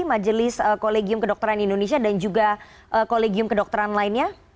majelis kolegium kedokteran indonesia dan juga kolegium kedokteran lainnya